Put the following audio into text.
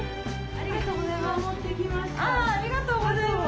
ありがとうございます。